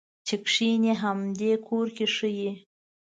چې کېنه همدې کور کې ښه یې.